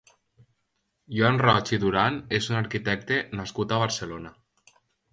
Joan Roig i Duran és un arquitecte nascut a Barcelona.